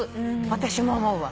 私も思うわ。